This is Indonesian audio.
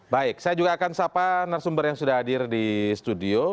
baik saya juga akan sapa narasumber yang sudah hadir di studio